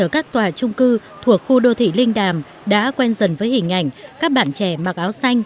các tòa trung cư thuộc khu đô thị linh đàm đã quen dần với hình ảnh các bạn trẻ mặc áo xanh